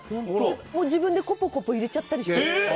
自分でコポコポいれちゃったりして。